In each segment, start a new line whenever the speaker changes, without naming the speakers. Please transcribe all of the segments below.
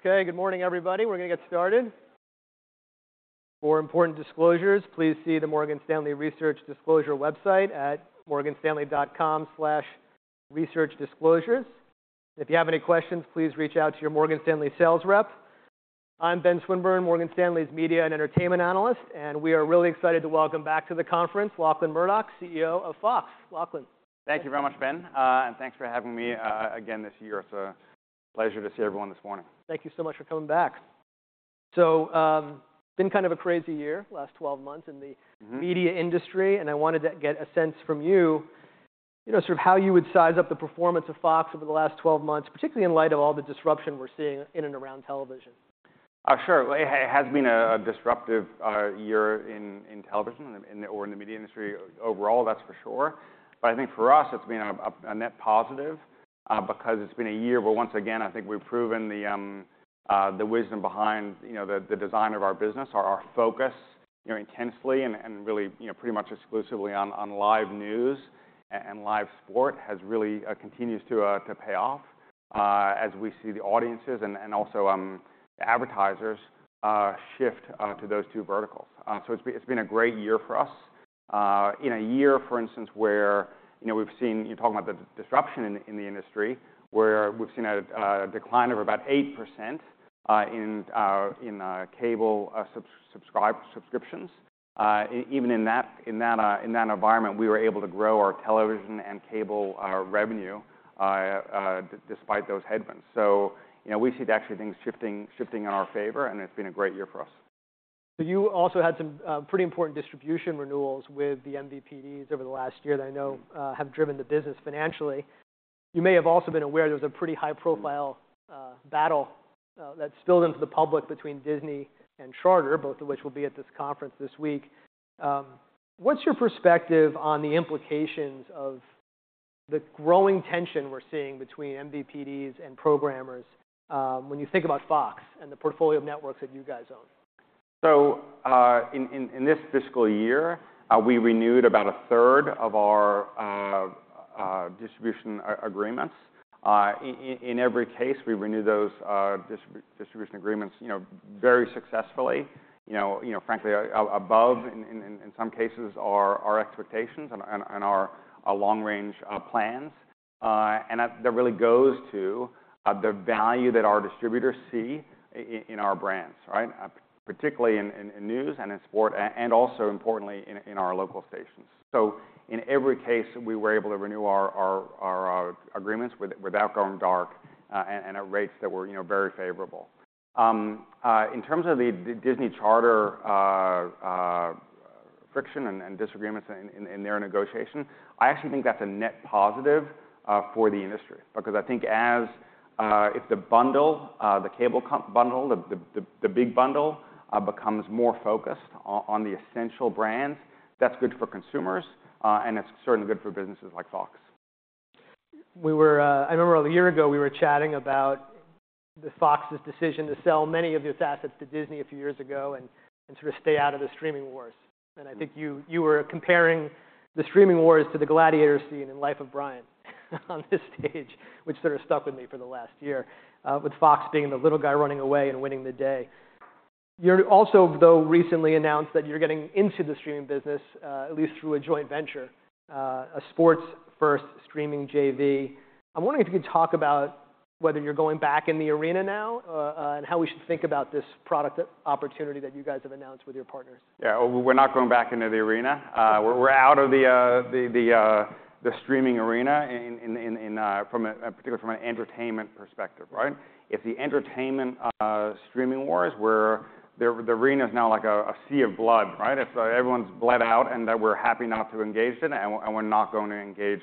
Okay, good morning everybody. We're going to get started. For important disclosures, please see the Morgan Stanley Research Disclosure website at morganstanley.com/researchdisclosures. If you have any questions, please reach out to your Morgan Stanley sales rep. I'm Ben Swinburne, Morgan Stanley's Media and Entertainment Analyst, and we are really excited to welcome back to the conference Lachlan Murdoch, CEO of Fox. Lachlan.
Thank you very much, Ben, and thanks for having me again this year. It's a pleasure to see everyone this morning.
Thank you so much for coming back. So, been kind of a crazy year, last 12 months, in the media industry, and I wanted to get a sense from you, you know, sort of how you would size up the performance of Fox over the last 12 months, particularly in light of all the disruption we're seeing in and around television.
Oh, sure. It has been a disruptive year in television or in the media industry overall, that's for sure. But I think for us it's been a net positive because it's been a year where, once again, I think we've proven the wisdom behind the design of our business, our focus intensely and really pretty much exclusively on live news and live sport has really continued to pay off as we see the audiences and also the advertisers shift to those two verticals. So it's been a great year for us. In a year, for instance, where we've seen talking about the disruption in the industry, where we've seen a decline of about 8% in cable subscriptions, even in that environment we were able to grow our television and cable revenue despite those headwinds. We see actually things shifting in our favor, and it's been a great year for us.
So you also had some pretty important distribution renewals with the vMVPDs over the last year that I know have driven the business financially. You may have also been aware there was a pretty high-profile battle that spilled into the public between Disney and Charter, both of which will be at this conference this week. What's your perspective on the implications of the growing tension we're seeing between vMVPDs and programmers when you think about Fox and the portfolio of networks that you guys own?
In this fiscal year we renewed about a third of our distribution agreements. In every case we renewed those distribution agreements very successfully, frankly above in some cases our expectations and our long-range plans. That really goes to the value that our distributors see in our brands, particularly in news and in sport and also, importantly, in our local stations. In every case we were able to renew our agreements without going dark and at rates that were very favorable. In terms of the Disney Charter friction and disagreements in their negotiation, I actually think that's a net positive for the industry because I think if the bundle, the cable bundle, the big bundle becomes more focused on the essential brands, that's good for consumers and it's certainly good for businesses like Fox.
I remember a year ago we were chatting about Fox's decision to sell many of its assets to Disney a few years ago and sort of stay out of the streaming wars. I think you were comparing the streaming wars to the gladiator scene in Life of Brian on this stage, which sort of stuck with me for the last year, with Fox being the little guy running away and winning the day. You also though recently announced that you're getting into the streaming business, at least through a joint venture, a sports-first streaming JV. I'm wondering if you could talk about whether you're going back in the arena now and how we should think about this product opportunity that you guys have announced with your partners.
Yeah, we're not going back into the arena. We're out of the streaming arena particularly from an entertainment perspective. If the entertainment streaming wars where the arena is now like a sea of blood, everyone's bled out and that we're happy not to engage in it and we're not going to engage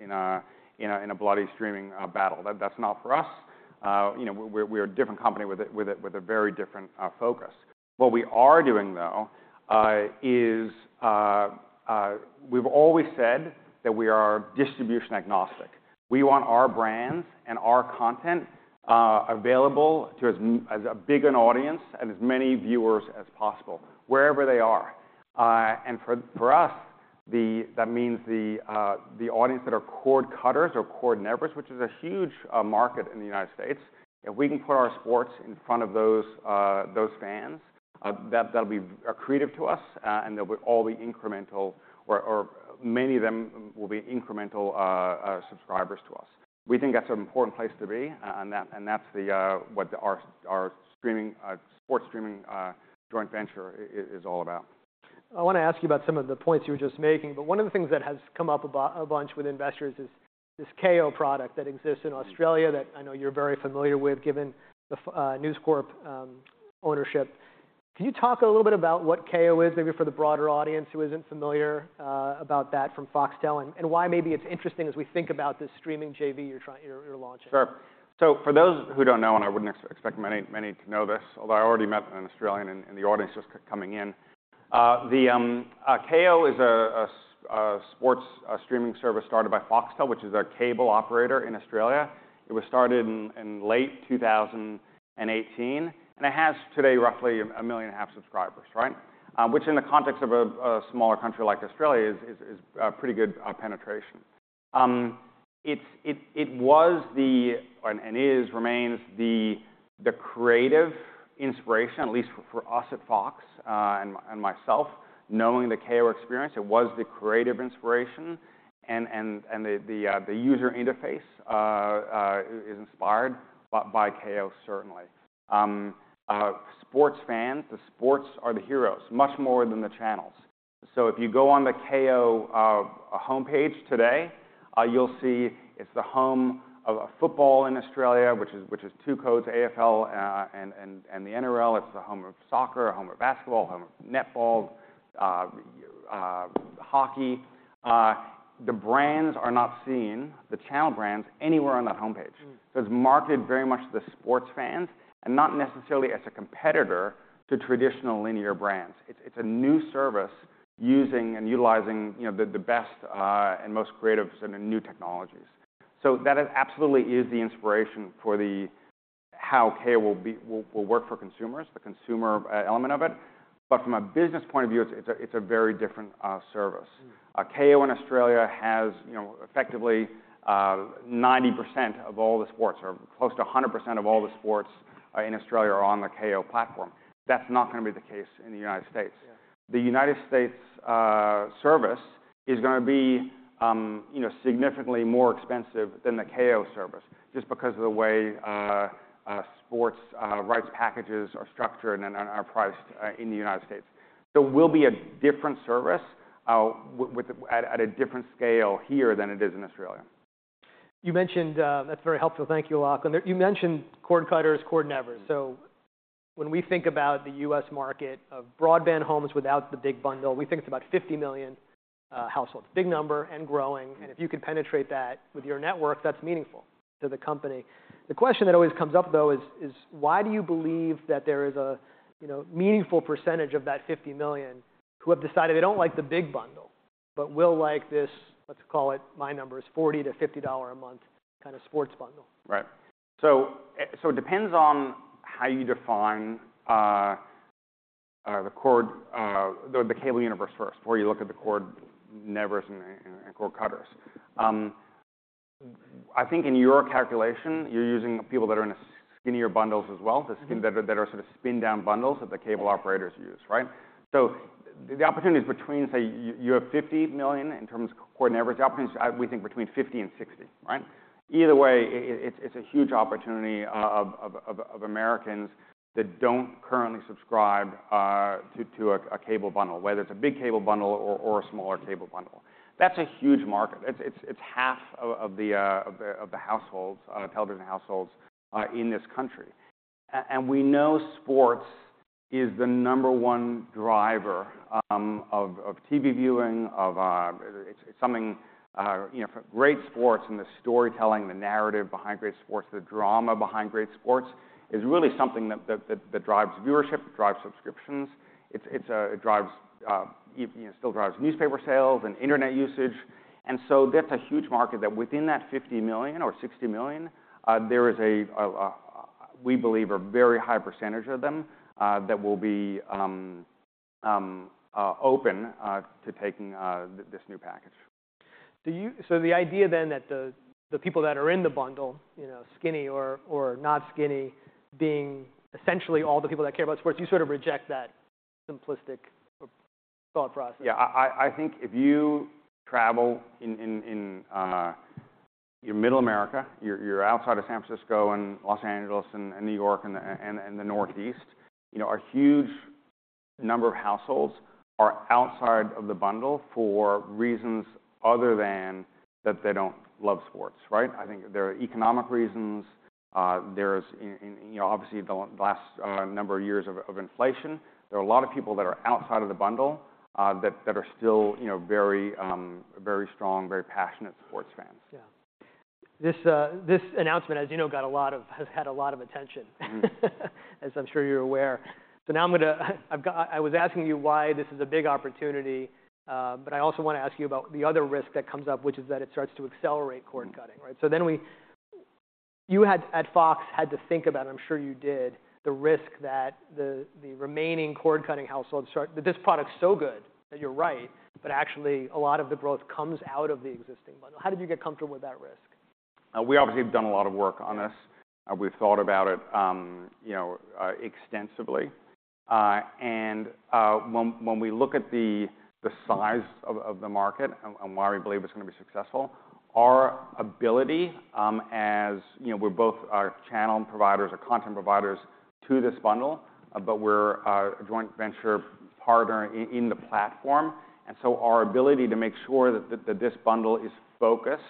in a bloody streaming battle, that's not for us. We're a different company with a very different focus. What we are doing though is we've always said that we are distribution agnostic. We want our brands and our content available to as big an audience and as many viewers as possible, wherever they are. And for us that means the audience that are cord cutters or cord nervous, which is a huge market in the United States. If we can put our sports in front of those fans, that'll be accretive to us and they'll all be incremental or many of them will be incremental subscribers to us. We think that's an important place to be and that's what our sports streaming joint venture is all about.
I want to ask you about some of the points you were just making, but one of the things that has come up a bunch with investors is this Kayo product that exists in Australia that I know you're very familiar with given the News Corp ownership. Can you talk a little bit about what Kayo is, maybe for the broader audience who isn't familiar about that from Foxtel and why maybe it's interesting as we think about this streaming JV you're launching?
Sure. So for those who don't know and I wouldn't expect many to know this, although I already met an Australian in the audience just coming in, the Kayo is a sports streaming service started by Foxtel, which is a cable operator in Australia. It was started in late 2018 and it has today roughly 1.5 million subscribers, which in the context of a smaller country like Australia is pretty good penetration. It was and is, remains the creative inspiration, at least for us at Fox and myself, knowing the Kayo experience. It was the creative inspiration and the user interface is inspired by Kayo certainly. Sports fans, the sports are the heroes much more than the channels. So if you go on the Kayo homepage today you'll see it's the home of football in Australia, which is two codes, AFL and the NRL. It's the home of soccer, home of basketball, home of netball, hockey. The brands are not seen, the channel brands, anywhere on that homepage. So it's marketed very much to the sports fans and not necessarily as a competitor to traditional linear brands. It's a new service using and utilizing the best and most creative new technologies. So that absolutely is the inspiration for how Kayo will work for consumers, the consumer element of it. But from a business point of view it's a very different service. Kayo in Australia has effectively 90% of all the sports or close to 100% of all the sports in Australia are on the Kayo platform. That's not going to be the case in the United States. The United States service is going to be significantly more expensive than the Kayo service just because of the way sports rights packages are structured and are priced in the United States. There will be a different service at a different scale here than it is in Australia.
You mentioned, that's very helpful, thank you Lachlan. You mentioned cord cutters, cord nervous. So when we think about the U.S. market of broadband homes without the big bundle, we think it's about 50 million households. Big number and growing. And if you can penetrate that with your network, that's meaningful to the company. The question that always comes up though is why do you believe that there is a meaningful percentage of that 50 million who have decided they don't like the big bundle but will like this, let's call it my numbers, $40-$50 a month kind of sports bundle?
Right. So it depends on how you define the cable universe first, where you look at the cord nervous and cord cutters. I think in your calculation you're using people that are in skinnier bundles as well, that are sort of spin down bundles that the cable operators use. So the opportunities between, say you have 50 million in terms of cord nervous, the opportunities we think between 50-60. Either way it's a huge opportunity of Americans that don't currently subscribe to a cable bundle, whether it's a big cable bundle or a smaller cable bundle. That's a huge market. It's half of the television households in this country. And we know sports is the number one driver of TV viewing, of something great sports and the storytelling, the narrative behind great sports, the drama behind great sports is really something that drives viewership, drives subscriptions. It still drives newspaper sales and internet usage. And so that's a huge market that within that 50 million or 60 million there is a, we believe, a very high percentage of them that will be open to taking this new package.
So the idea then that the people that are in the bundle, skinny or not skinny, being essentially all the people that care about sports, you sort of reject that simplistic thought process?
Yeah, I think if you travel in Middle America, you're outside of San Francisco and Los Angeles and New York and the Northeast, a huge number of households are outside of the bundle for reasons other than that they don't love sports. I think there are economic reasons. There is obviously the last number of years of inflation. There are a lot of people that are outside of the bundle that are still very strong, very passionate sports fans.
Yeah. This announcement, as you know, got a lot of, has had a lot of attention as I'm sure you're aware. So now I'm going to, I was asking you why this is a big opportunity, but I also want to ask you about the other risk that comes up, which is that it starts to accelerate cord cutting. So then you at Fox had to think about, and I'm sure you did, the risk that the remaining cord cutting households start, this product's so good that you're right, but actually a lot of the growth comes out of the existing bundle. How did you get comfortable with that risk?
We obviously have done a lot of work on this. We've thought about it extensively. When we look at the size of the market and why we believe it's going to be successful, our ability as we're both channel providers, content providers to this bundle, but we're a joint venture partner in the platform. So our ability to make sure that this bundle is focused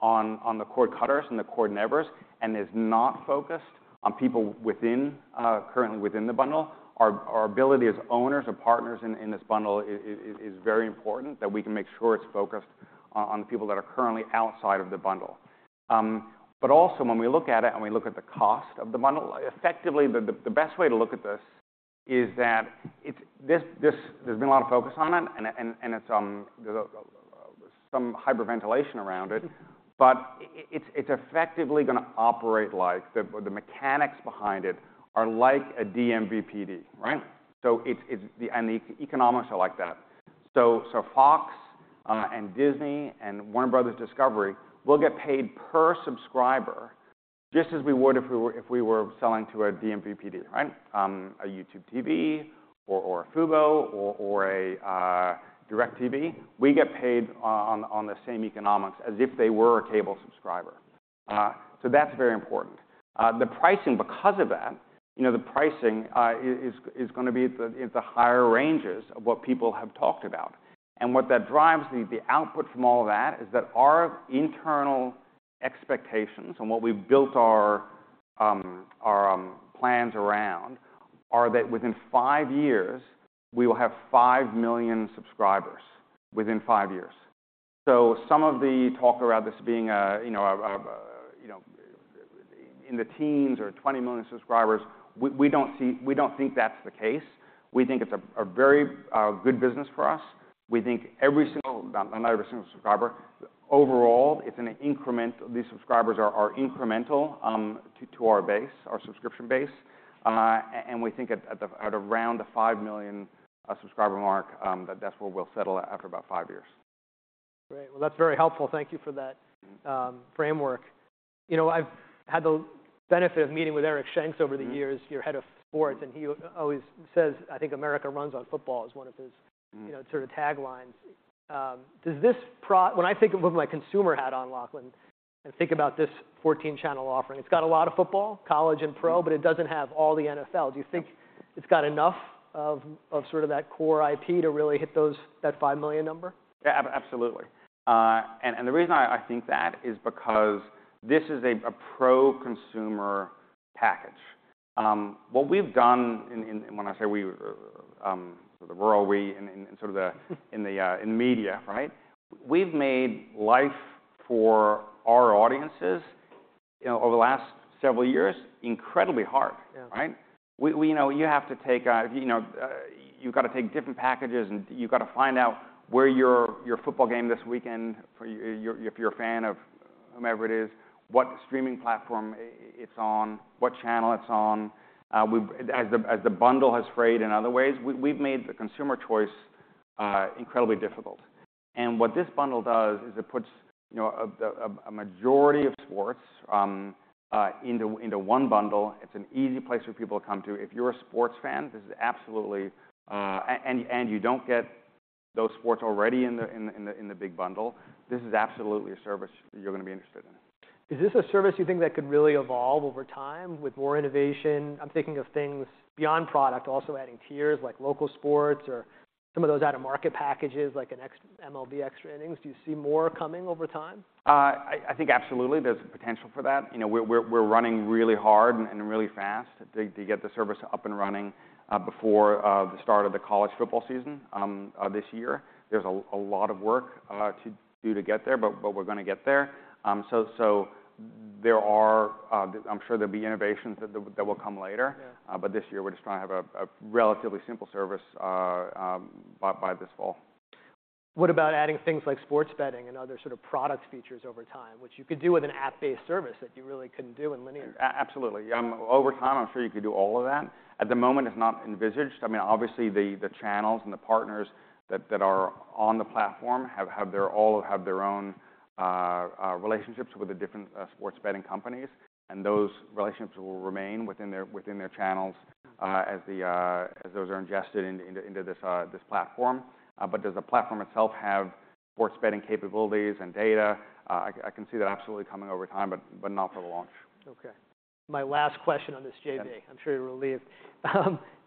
on the cord cutters and the cord nervous and is not focused on people currently within the bundle, our ability as owners, as partners in this bundle is very important that we can make sure it's focused on the people that are currently outside of the bundle. But also when we look at it and we look at the cost of the bundle, effectively the best way to look at this is that there's been a lot of focus on it and there's some hyperventilation around it, but it's effectively going to operate like the mechanics behind it are like a dMVPD. And the economics are like that. So Fox and Disney and Warner Bros. Discovery will get paid per subscriber just as we would if we were selling to a dMVPD, a YouTube TV or a Fubo or a DirecTV. We get paid on the same economics as if they were a cable subscriber. So that's very important. The pricing because of that, the pricing is going to be at the higher ranges of what people have talked about. What that drives, the output from all of that, is that our internal expectations and what we've built our plans around are that within 5 years we will have 5 million subscribers within 5 years. So some of the talk around this being in the teens or 20 million subscribers, we don't think that's the case. We think it's a very good business for us. We think every single, not every single subscriber, overall it's an increment, these subscribers are incremental to our base, our subscription base. And we think at around the 5 million subscriber mark that's where we'll settle after about 5 years.
Great. Well, that's very helpful. Thank you for that framework. You know, I've had the benefit of meeting with Eric Shanks over the years, your head of sports, and he always says, I think America runs on football is one of his sort of taglines. Does this product, when I think of my consumer hat on Lachlan and think about this 14-channel offering, it's got a lot of football, college and pro, but it doesn't have all the NFL. Do you think it's got enough of sort of that core IP to really hit that 5 million number?
Yeah, absolutely. And the reason I think that is because this is a pro consumer package. What we've done when I say we, sort of the world, we and sort of in the media, we've made life for our audiences over the last several years incredibly hard. You have to take, you've got to take different packages and you've got to find out where your football game this weekend, if you're a fan of whomever it is, what streaming platform it's on, what channel it's on. As the bundle has frayed in other ways, we've made the consumer choice incredibly difficult. And what this bundle does is it puts a majority of sports into one bundle. It's an easy place for people to come to. If you're a sports fan, this is absolutely, and you don't get those sports already in the big bundle, this is absolutely a service that you're going to be interested in.
Is this a service you think that could really evolve over time with more innovation? I'm thinking of things beyond product, also adding tiers like local sports or some of those out of market packages like an MLB Extra Innings. Do you see more coming over time?
I think absolutely there's potential for that. We're running really hard and really fast to get the service up and running before the start of the college football season this year. There's a lot of work to do to get there, but we're going to get there. So there are, I'm sure there'll be innovations that will come later, but this year we're just trying to have a relatively simple service by this fall.
What about adding things like sports betting and other sort of product features over time, which you could do with an app-based service that you really couldn't do in linear?
Absolutely. Over time I'm sure you could do all of that. At the moment it's not envisioned. I mean obviously the channels and the partners that are on the platform have their, all have their own relationships with the different sports betting companies. And those relationships will remain within their channels as those are ingested into this platform. But does the platform itself have sports betting capabilities and data? I can see that absolutely coming over time, but not for the launch.
OK. My last question on this JV, I'm sure you're relieved.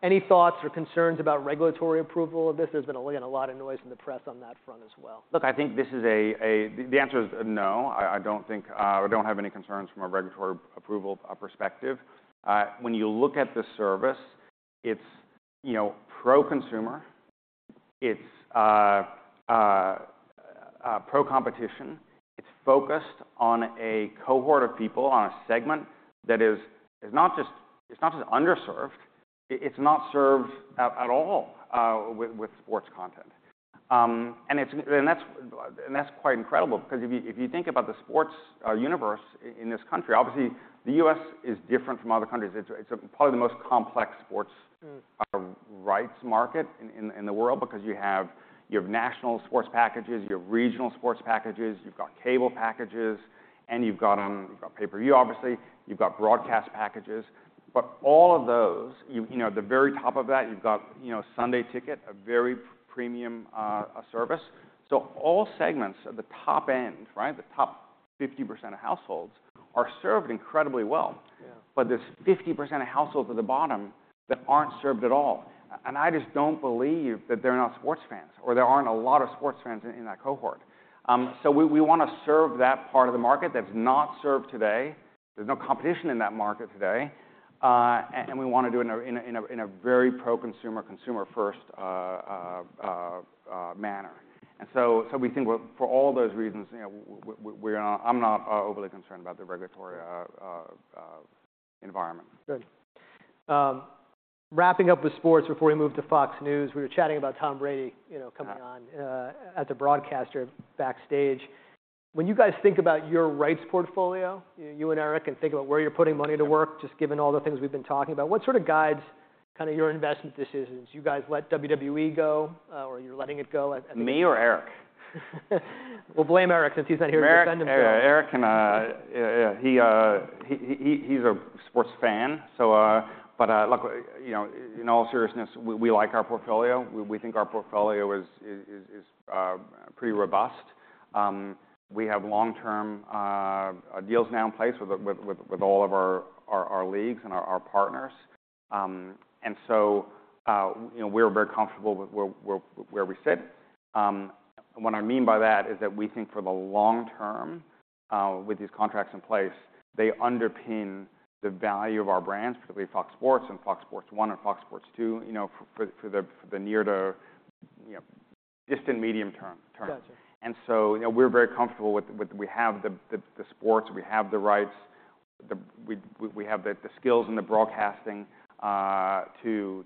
Any thoughts or concerns about regulatory approval of this? There's been a lot of noise in the press on that front as well.
Look, I think this is a, the answer is no. I don't think, I don't have any concerns from a regulatory approval perspective. When you look at the service, it's pro consumer, it's pro competition, it's focused on a cohort of people, on a segment that is not just underserved, it's not served at all with sports content. And that's quite incredible because if you think about the sports universe in this country, obviously the U.S. is different from other countries. It's probably the most complex sports rights market in the world because you have national sports packages, you have regional sports packages, you've got cable packages, and you've got pay-per-view obviously, you've got broadcast packages. But all of those, at the very top of that you've got Sunday Ticket, a very premium service. So all segments at the top end, the top 50% of households are served incredibly well. But there's 50% of households at the bottom that aren't served at all. I just don't believe that they're not sports fans or there aren't a lot of sports fans in that cohort. We want to serve that part of the market that's not served today. There's no competition in that market today. We want to do it in a very pro consumer, consumer first manner. We think for all those reasons I'm not overly concerned about the regulatory environment.
Good. Wrapping up with sports before we move to Fox News, we were chatting about Tom Brady coming on as a broadcaster backstage. When you guys think about your rights portfolio, you and Eric, and think about where you're putting money to work just given all the things we've been talking about, what sort of guides kind of your investment this is? Do you guys let WWE go or you're letting it go?
Me or Eric?
We'll blame Eric since he's not here to defend himself.
Eric, and he's a sports fan. But look, in all seriousness, we like our portfolio. We think our portfolio is pretty robust. We have long term deals now in place with all of our leagues and our partners. And so we're very comfortable with where we sit. What I mean by that is that we think for the long term with these contracts in place they underpin the value of our brands, particularly Fox Sports and Fox Sports 1 and Fox Sports 2 for the near to distant medium term. And so we're very comfortable with, we have the sports, we have the rights, we have the skills and the broadcasting to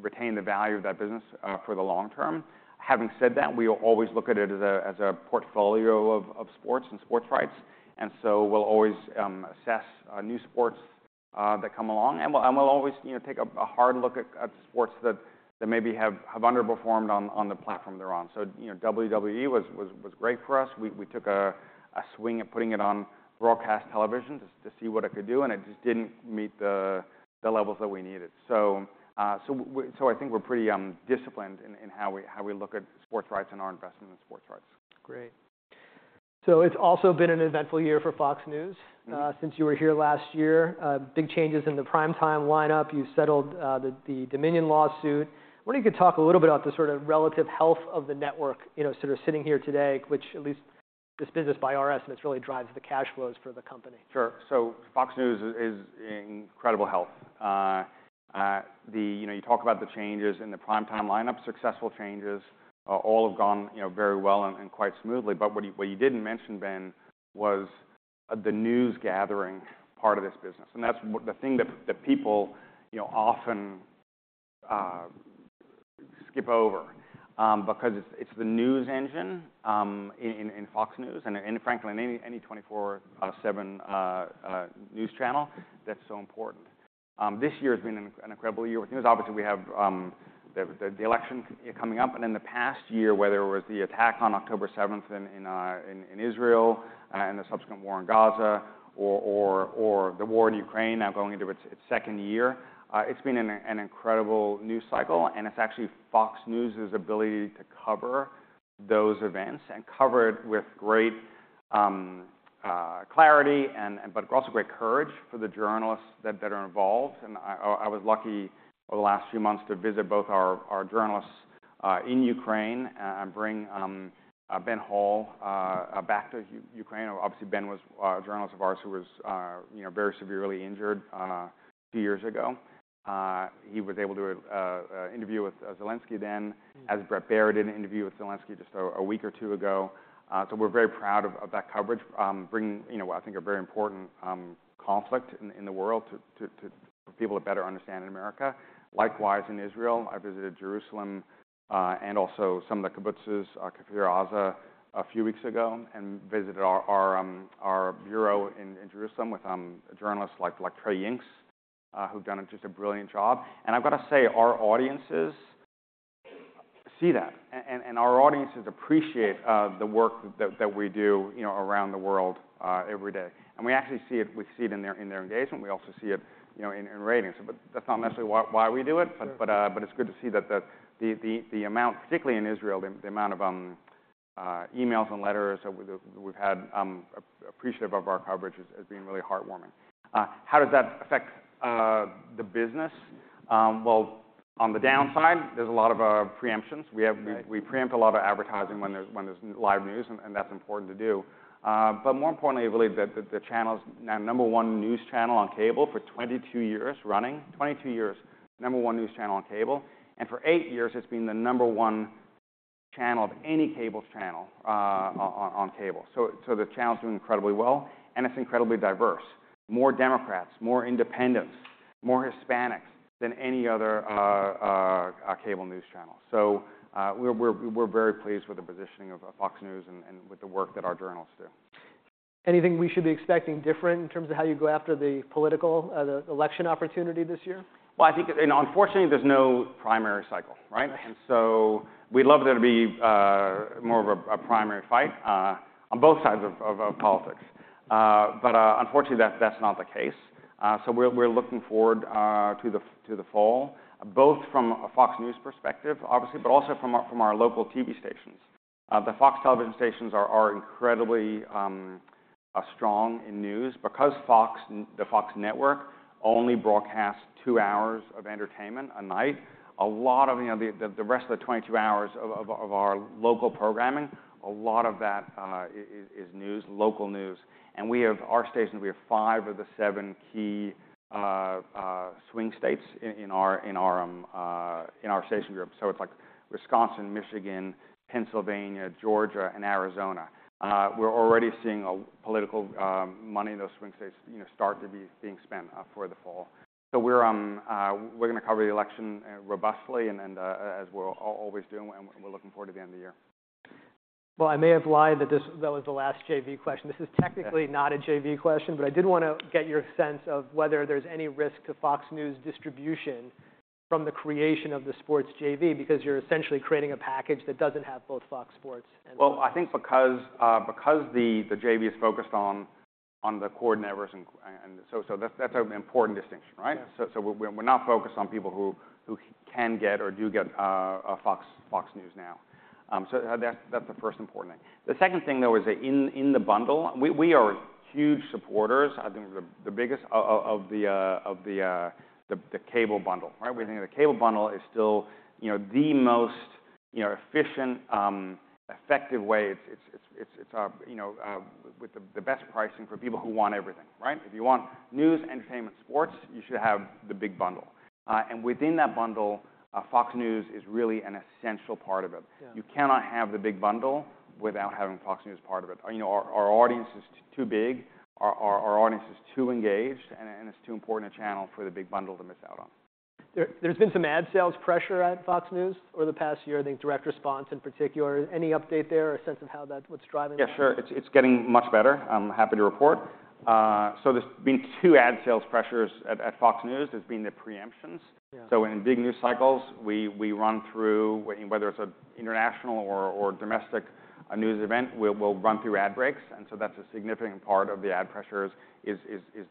retain the value of that business for the long term. Having said that, we always look at it as a portfolio of sports and sports rights. And so we'll always assess new sports that come along and we'll always take a hard look at sports that maybe have underperformed on the platform they're on. So WWE was great for us. We took a swing at putting it on broadcast television to see what it could do and it just didn't meet the levels that we needed. So I think we're pretty disciplined in how we look at sports rights and our investment in sports rights.
Great. So it's also been an eventful year for Fox News since you were here last year. Big changes in the primetime lineup. You've settled the Dominion lawsuit. I wonder if you could talk a little bit about the sort of relative health of the network sort of sitting here today, which at least this business by our estimates really drives the cash flows for the company.
Sure. So Fox News is in incredible health. You talk about the changes in the primetime lineup, successful changes, all have gone very well and quite smoothly. But what you didn't mention, Ben, was the news gathering part of this business. And that's the thing that people often skip over because it's the news engine in Fox News and frankly in any 24/7 news channel that's so important. This year has been an incredible year with news. Obviously we have the election coming up and in the past year whether it was the attack on October 7th in Israel and the subsequent war in Gaza or the war in Ukraine now going into its second year, it's been an incredible news cycle and it's actually Fox News' ability to cover those events and cover it with great clarity but also great courage for the journalists that are involved. And I was lucky over the last few months to visit both our journalists in Ukraine and bring Ben Hall back to Ukraine. Obviously Ben was a journalist of ours who was very severely injured a few years ago. He was able to interview with Zelensky then. As Bret Baier did an interview with Zelensky just a week or two ago. So we're very proud of that coverage. Bringing, I think, a very important conflict in the world for people to better understand in America. Likewise in Israel, I visited Jerusalem and also some of the kibbutzim, Kfar Aza, a few weeks ago and visited our bureau in Jerusalem with journalists like Trey Yingst who've done just a brilliant job. And I've got to say our audiences see that and our audiences appreciate the work that we do around the world every day. We actually see it, we see it in their engagement. We also see it in ratings. But that's not necessarily why we do it, but it's good to see that the amount, particularly in Israel, the amount of emails and letters that we've had appreciative of our coverage has been really heartwarming. How does that affect the business? Well, on the down side there's a lot of preemptions. We preempt a lot of advertising when there's live news and that's important to do. But more importantly, I believe that the channel is now number one news channel on cable for 22 years running, 22 years, number one news channel on cable. And for 8 years it's been the number one channel of any cable channel on cable. So the channel's doing incredibly well and it's incredibly diverse. More Democrats, more independents, more Hispanics than any other cable news channel. So we're very pleased with the positioning of Fox News and with the work that our journalists do.
Anything we should be expecting different in terms of how you go after the political election opportunity this year?
Well, I think unfortunately there's no primary cycle. And so we'd love there to be more of a primary fight on both sides of politics. But unfortunately that's not the case. So we're looking forward to the fall both from a Fox News perspective obviously, but also from our local TV stations. The Fox television stations are incredibly strong in news because Fox, the Fox network, only broadcasts two hours of entertainment a night. A lot of the rest of the 22 hours of our local programming, a lot of that is news, local news. And we have, our station, we have five of the seven key swing states in our station group. So it's like Wisconsin, Michigan, Pennsylvania, Georgia, and Arizona. We're already seeing political money in those swing states start to be being spent for the fall. We're going to cover the election robustly and as we're always doing and we're looking forward to the end of the year.
Well, I may have lied that this was the last JV question. This is technically not a JV question, but I did want to get your sense of whether there's any risk to Fox News distribution from the creation of the sports JV because you're essentially creating a package that doesn't have both Fox Sports and.
Well, I think because the JV is focused on the core networks and so that's an important distinction. So we're not focused on people who can get or do get Fox News now. So that's the first important thing. The second thing though is that in the bundle, we are huge supporters, I think the biggest, of the cable bundle. We think the cable bundle is still the most efficient, effective way. It's with the best pricing for people who want everything. If you want news, entertainment, sports, you should have the big bundle. And within that bundle Fox News is really an essential part of it. You cannot have the big bundle without having Fox News part of it. Our audience is too big, our audience is too engaged, and it's too important a channel for the big bundle to miss out on.
There's been some ad sales pressure at Fox News over the past year, I think direct response in particular. Any update there or a sense of how that, what's driving that?
Yeah, sure. It's getting much better. I'm happy to report. So there's been two ad sales pressures at Fox News. There's been the preemptions. So in big news cycles we run through, whether it's an international or domestic news event, we'll run through ad breaks. And so that's a significant part of the ad pressures is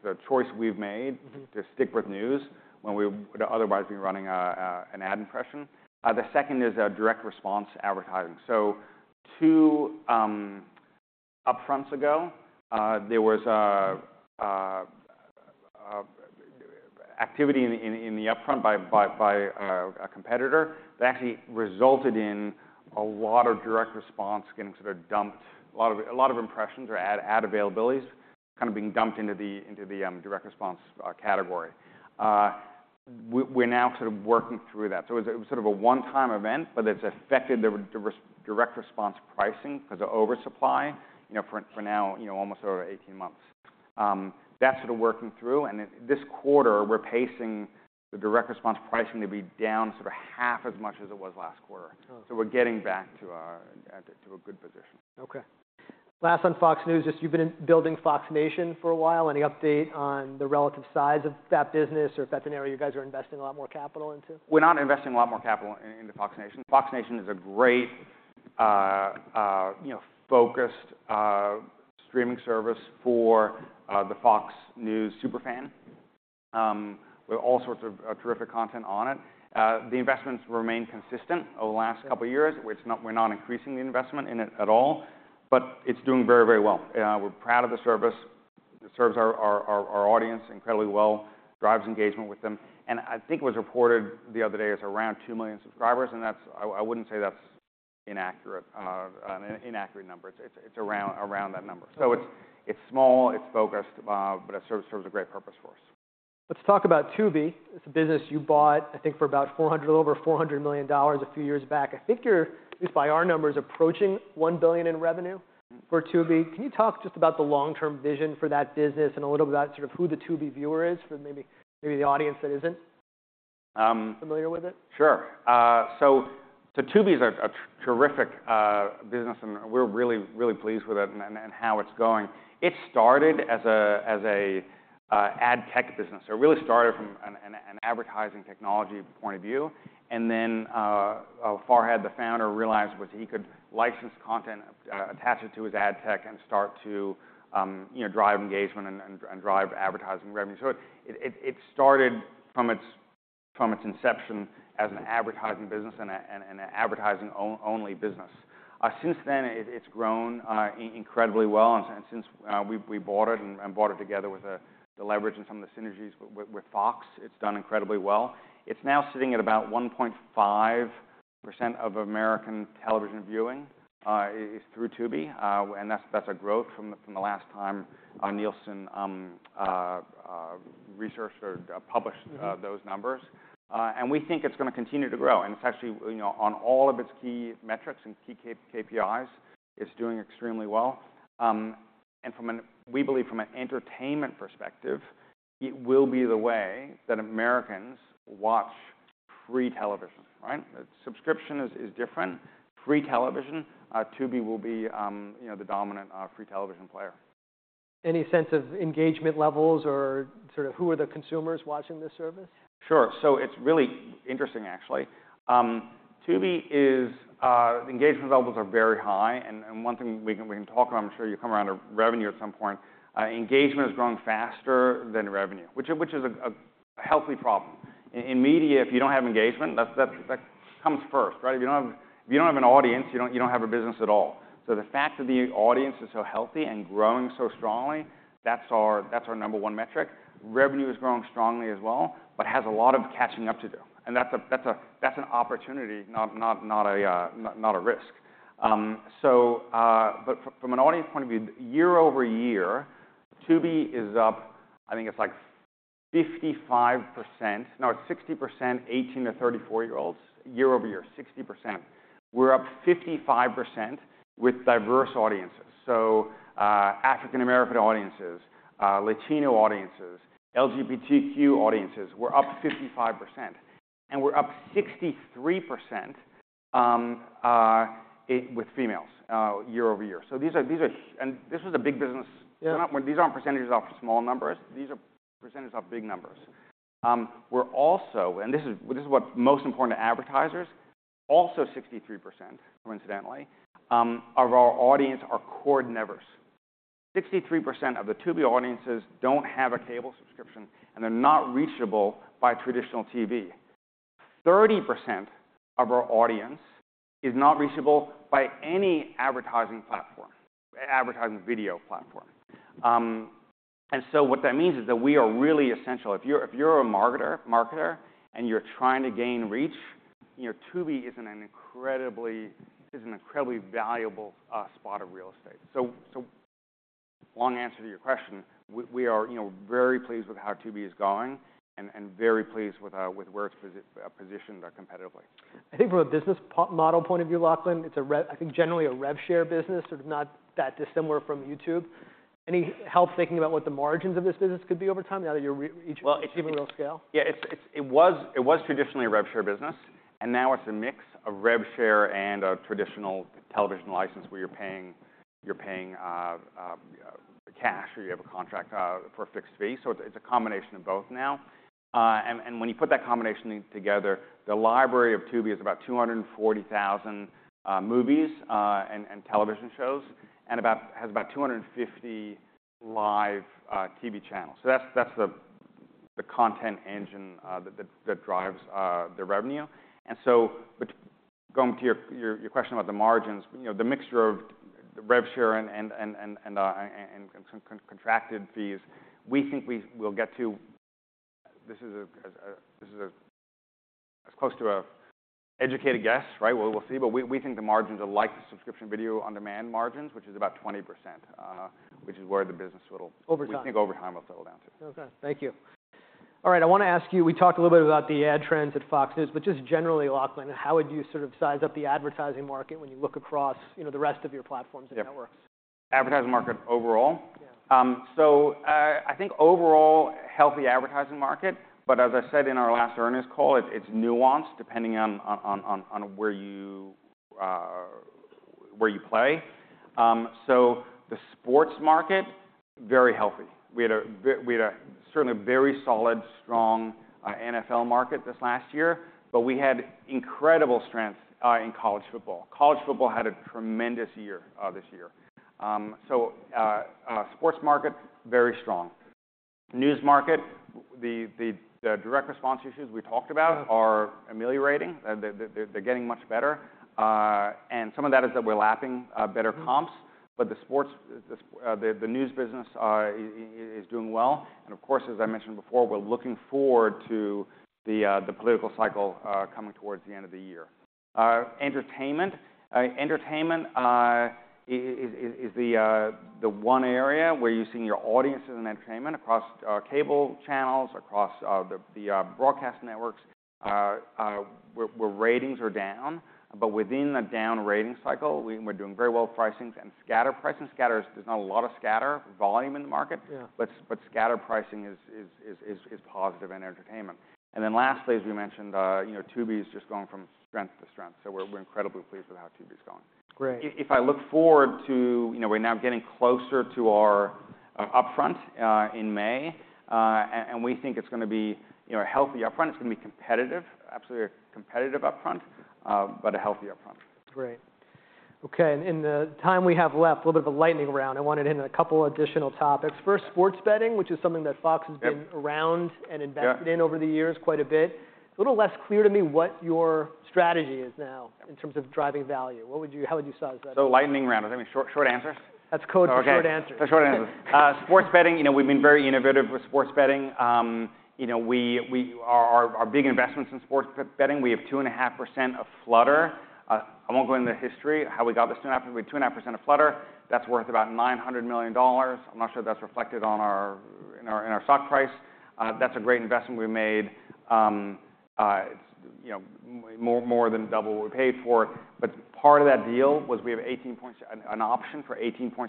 the choice we've made to stick with news when we would otherwise be running an ad impression. The second is direct response advertising. So two Upfronts ago, there was activity in the Upfront by a competitor that actually resulted in a lot of direct response getting sort of dumped. A lot of impressions or ad availabilities kind of being dumped into the direct response category. We're now sort of working through that. It was sort of a one-time event, but it's affected the direct response pricing because of oversupply for now almost over 18 months. That's sort of working through. This quarter we're pacing the direct response pricing to be down sort of half as much as it was last quarter. We're getting back to a good position.
OK. Last on Fox News, just you've been building Fox Nation for a while. Any update on the relative size of that business or if that's an area you guys are investing a lot more capital into?
We're not investing a lot more capital into Fox Nation. Fox Nation is a great focused streaming service for the Fox News super fan. We have all sorts of terrific content on it. The investments remain consistent over the last couple of years. We're not increasing the investment in it at all. But it's doing very, very well. We're proud of the service. It serves our audience incredibly well, drives engagement with them. And I think it was reported the other day as around 2 million subscribers and that's, I wouldn't say that's inaccurate, an inaccurate number. It's around that number. So it's small, it's focused, but it serves a great purpose for us.
Let's talk about Tubi. It's a business you bought I think for about $400 million, a little over $400 million a few years back. I think you're, at least by our numbers, approaching $1 billion in revenue for Tubi. Can you talk just about the long term vision for that business and a little bit about sort of who the Tubi viewer is for maybe the audience that isn't familiar with it?
Sure. So Tubi is a terrific business and we're really, really pleased with it and how it's going. It started as an ad tech business. It really started from an advertising technology point of view. And then Farhad, the founder, realized he could license content, attach it to his ad tech and start to drive engagement and drive advertising revenue. So it started from its inception as an advertising business and an advertising only business. Since then it's grown incredibly well. And since we bought it and bought it together with the leverage and some of the synergies with Fox, it's done incredibly well. It's now sitting at about 1.5% of American television viewing is through Tubi. And that's a growth from the last time Nielsen researched or published those numbers. And we think it's going to continue to grow. It's actually on all of its key metrics and key KPIs. It's doing extremely well. We believe from an entertainment perspective, it will be the way that Americans watch free television. Subscription is different. Free television, Tubi, will be the dominant free television player.
Any sense of engagement levels or sort of who are the consumers watching this service?
Sure. So it's really interesting actually. Tubi is, the engagement levels are very high. And one thing we can talk about, I'm sure you'll come around to revenue at some point, engagement is growing faster than revenue, which is a healthy problem. In media if you don't have engagement, that comes first. If you don't have an audience, you don't have a business at all. So the fact that the audience is so healthy and growing so strongly, that's our number one metric. Revenue is growing strongly as well, but has a lot of catching up to do. And that's an opportunity, not a risk. So from an audience point of view, year-over-year Tubi is up, I think it's like 55%, no it's 60%, 18- to 34-year-olds, year-over-year 60%. We're up 55% with diverse audiences. So African American audiences, Latino audiences, LGBTQ audiences, we're up 55%. And we're up 63% with females year-over-year. So these are, and this was a big business, these aren't percentages off small numbers. These are percentages off big numbers. We're also, and this is what's most important to advertisers, also 63%, coincidentally, of our audience are cord-nevers. 63% of the Tubi audiences don't have a cable subscription and they're not reachable by traditional TV. 30% of our audience is not reachable by any advertising platform, advertising video platform. And so what that means is that we are really essential. If you're a marketer and you're trying to gain reach, Tubi is an incredibly valuable spot of real estate. So long answer to your question, we are very pleased with how Tubi is going and very pleased with where it's positioned competitively.
I think from a business model point of view, Lachlan, it's a, I think generally a rev share business, sort of not that dissimilar from YouTube. Any help thinking about what the margins of this business could be over time now that you're reaching even real scale?
Well, it was traditionally a rev share business and now it's a mix of rev share and a traditional television license where you're paying, you're paying cash or you have a contract for a fixed fee. So it's a combination of both now. And when you put that combination together, the library of Tubi is about 240,000 movies and television shows and about, has about 250 live TV channels. So that's the content engine that drives the revenue. And so going to your question about the margins, the mixture of rev share and contracted fees, we think we'll get to, this is as close to an educated guess, we'll see, but we think the margins are like the subscription video on demand margins, which is about 20%, which is where the business will, we think over time will settle down to.
OK. Thank you. Alright, I want to ask you, we talked a little bit about the ad trends at Fox News, but just generally, Lachlan, how would you sort of size up the advertising market when you look across the rest of your platforms and networks?
Advertising market overall. So I think overall healthy advertising market, but as I said in our last earnings call, it's nuanced depending on where you, where you play. So the sports market, very healthy. We had a certainly very solid strong NFL market this last year, but we had incredible strength in college football. College football had a tremendous year this year. So sports market, very strong. News market, the direct response issues we talked about are ameliorating. They're getting much better. And some of that is that we're lapping better comps. But the sports, the news business is doing well. And of course as I mentioned before, we're looking forward to the political cycle coming towards the end of the year. Entertainment, entertainment is the one area where you're seeing your audiences in entertainment across cable channels, across the broadcast networks, where ratings are down. But within the down rating cycle we're doing very well pricing and scatter pricing. Scatter is, there's not a lot of scatter volume in the market, but scatter pricing is positive in entertainment. And then lastly as we mentioned, Tubi is just going from strength to strength. So we're incredibly pleased with how Tubi is going. If I look forward to, we're now getting closer to our upfront in May and we think it's going to be a healthy upfront. It's going to be competitive, absolutely a competitive upfront, but a healthy upfront.
Great. OK. In the time we have left, a little bit of a lightning round. I wanted in a couple additional topics. First, sports betting, which is something that Fox has been around and invested in over the years quite a bit. It's a little less clear to me what your strategy is now in terms of driving value. What would you, how would you size that up?
Lightning round. I mean short answers?
That's code for short answers.
So, short answers. Sports betting, we've been very innovative with sports betting. We are big investments in sports betting. We have 2.5% of Flutter. I won't go into the history, how we got this to happen. We have 2.5% of Flutter. That's worth about $900 million. I'm not sure that's reflected on our, in our stock price. That's a great investment we made. It's more than double what we paid for. But part of that deal was we have 18.6, an option for 18.6%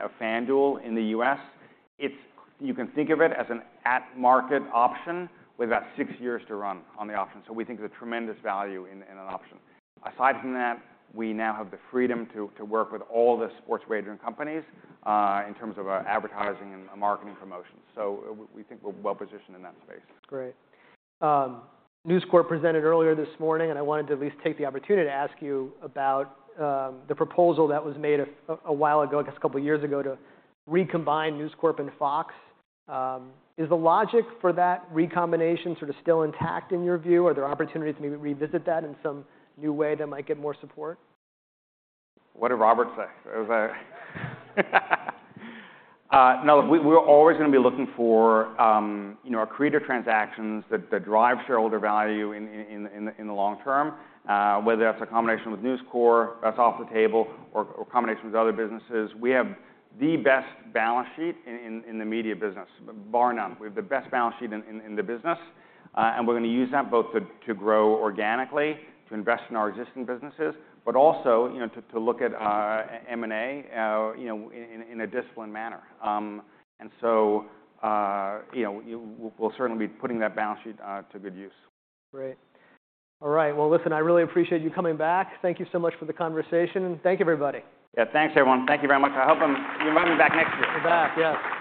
of FanDuel in the U.S. It's, you can think of it as an at market option with about six years to run on the option. So we think it's a tremendous value in an option. Aside from that, we now have the freedom to work with all the sports wagering companies in terms of advertising and marketing promotions. We think we're well positioned in that space.
Great. News Corp presented earlier this morning and I wanted to at least take the opportunity to ask you about the proposal that was made a while ago, I guess a couple years ago, to recombine News Corp and Fox. Is the logic for that recombination sort of still intact in your view? Are there opportunities to maybe revisit that in some new way that might get more support?
What did Robert say? No, we're always going to be looking for accretive transactions that drive shareholder value in the long term. Whether that's a combination with News Corp that's off the table or a combination with other businesses, we have the best balance sheet in the media business, bar none. We have the best balance sheet in the business and we're going to use that both to grow organically, to invest in our existing businesses, but also to look at M&A in a disciplined manner. And so we'll certainly be putting that balance sheet to good use.
Great. Alright. Well listen, I really appreciate you coming back. Thank you so much for the conversation. Thank you everybody.
Yeah thanks everyone. Thank you very much. I hope you invite me back next year.
You're back. Yes.